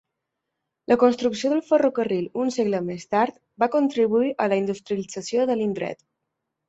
La construcció del ferrocarril un segle més tard va contribuir a la industrialització de l'indret.